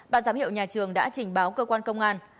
ban giám hiệu nhà trường đã trình báo cơ quan công an